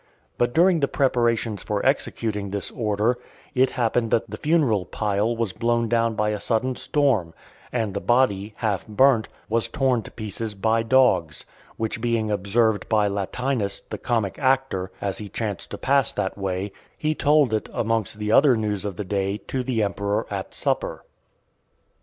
But during the preparations for executing this order, it happened that the funeral pile was blown down by a sudden storm, and the body, half burnt, was torn to pieces by dogs; which being observed by Latinus, the comic actor, as he chanced to pass that way, he told it, amongst the other news of the day, to the emperor at supper.